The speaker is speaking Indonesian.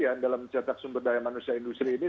yang dalam cetak sumber daya manusia industri ini